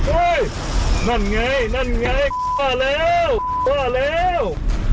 โอ๊ยนั่นไงมาแล้วมาแล้ว